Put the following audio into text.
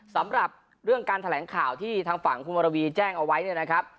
สำหรับเรื่องการแถลงข่าวที่ทางฝั่งคุณวรวีแจ้งเอาไว้เนี่ยนะครับ